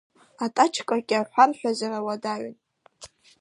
Атачка кьаҳә арҳәазара уадаҩын.